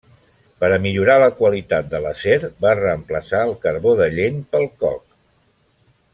Per a millorar la qualitat de l'acer va reemplaçar el carbó de lleny pel coc.